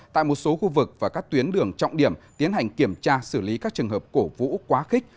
tại một số khu vực và các tuyến đường trọng điểm tiến hành kiểm tra xử lý các trường hợp cổ vũ quá khích